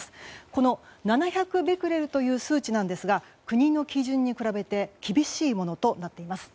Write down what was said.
この７００ベクレルという数値なんですが国の基準に比べて厳しいものとなっています。